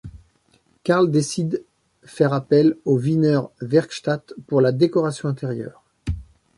Karl décide faire appel au Wiener Werkstätte pour la décoration intérieure.